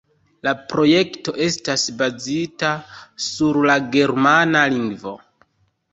La projekto estas bazita sur la germana lingvo.